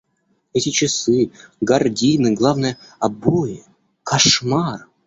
Эти часы, гардины, главное, обои — кошмар.